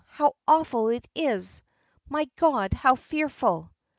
how awful it is! My God, how fearful!"